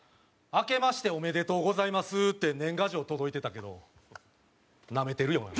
あけましておめでとうございますって年賀状届いてたけどナメてるよな。